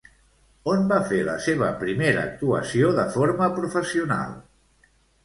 On va fer la seva primera actuació de forma professional?